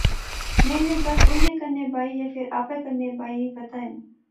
میں یو گل انیں کنے بائی یا فیر آپے کنے بائی، پتہ نی